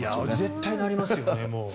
絶対なりますよね。